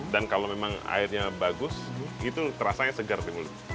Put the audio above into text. dan kalau memang airnya bagus itu rasanya segar di mulut